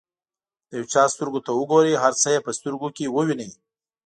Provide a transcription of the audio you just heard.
د یو چا سترګو ته وګورئ هر څه یې په سترګو کې ووینئ.